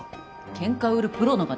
ケンカを売るプロの方？